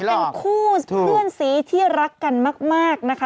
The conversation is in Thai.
เขาบอกว่าเป็นคู่เพื่อนสีที่รักกันมากนะคะ